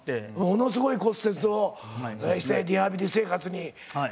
ものすごい骨折をしてリハビリ生活に入る。